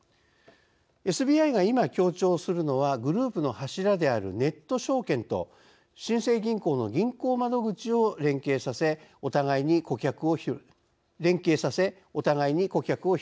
ＳＢＩが今強調するのはグループの柱であるネット証券と新生銀行の銀行窓口を連携させお互いに顧客を広げることです。